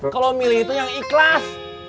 kalau milih itu yang ikhlas